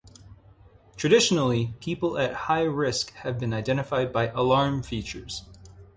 Traditionally, people at high-risk have been identified by "alarm" features.